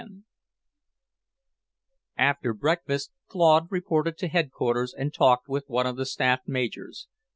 X After breakfast Claude reported to Headquarters and talked with one of the staff Majors.